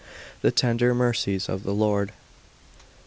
THE TENDER MERCIES OF THE LORD.